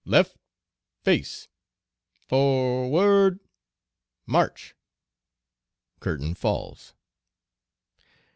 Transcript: Left face! forward. March! (Curtain falls.)